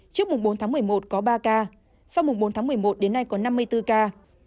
trước mùng bốn tháng một mươi một có ba ca sau mùng bốn tháng một mươi một đến nay có năm mươi bốn ca